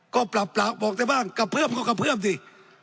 ก็ปรับบอกได้บ้างกระเพื่อมก็กระเพื่อมสิ